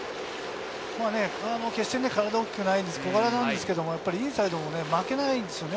決して体は大きくなく小柄ですけれどインサイド負けないんですよね。